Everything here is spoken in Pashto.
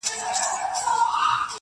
تا په درد كاتــــه اشــــنــــا,